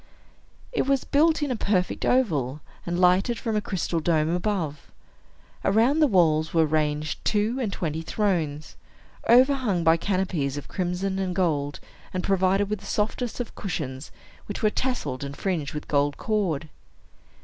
It was built in a perfect oval, and lighted from a crystal dome above. Around the walls were ranged two and twenty thrones, overhung by canopies of crimson and gold, and provided with the softest of cushions, which were tasselled and fringed with gold cord.